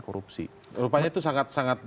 korupsi rupanya itu sangat sangat